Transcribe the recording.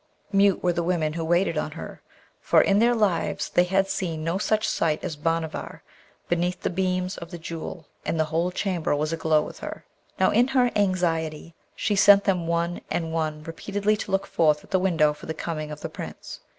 Mute were the women who waited on her, for in their lives they had seen no such sight as Bhanavar beneath the beams of the Jewel, and the whole chamber was aglow with her. Now, in her anxiety she sent them one and one repeatedly to look forth at the window for the coming of the Prince.